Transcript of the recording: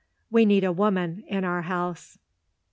"We need a woman in our house."